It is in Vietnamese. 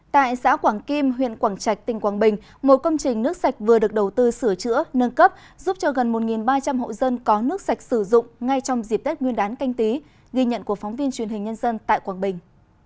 tại xã quảng kim huyện quảng trạch tỉnh quảng bình một công trình nước sạch vừa được đầu tư sửa chữa nâng cấp giúp cho gần một ba trăm linh hộ dân có nước sạch sử dụng ngay trong dịp tết nguyên đán canh tí ghi nhận của phóng viên truyền hình nhân dân tại quảng bình